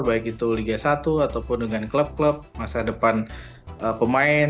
baik itu liga satu ataupun dengan klub klub masa depan pemain